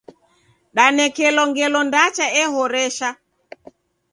Danekelo ngelo ndacha ehoresha.